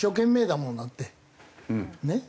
ねっ？